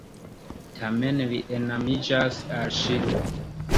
Tamen li enamiĝas al ŝi.